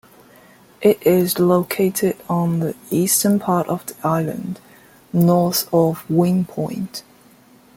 It is located on the eastern part of the island, north of Wing Point.